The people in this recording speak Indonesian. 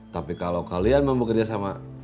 tapi kalau kalian mampu kerjasama